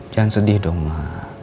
jangan sedih dong ma